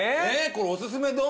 これおすすめ丼？